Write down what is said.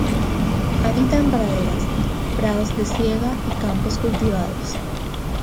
Habita en praderas, prados de siega y campos cultivados.